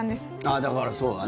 だから、そうだね。